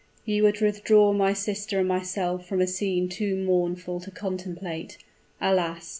You would withdraw my sister and myself from a scene too mournful to contemplate. Alas!